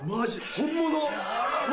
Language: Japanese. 本物！